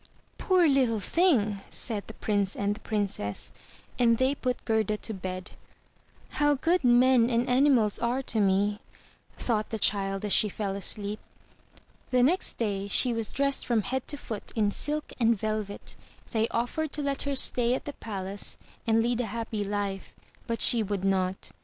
*Toor Uttle thing!'' said the Prince and the Princess, and they put Gerda to bed. "How good men and animals are to me," thought the child as she fell asleep. The next day she was dressed from head to foot in silk and velvet. They offered to let her stay at the palace, and lead a happy life; but she would not.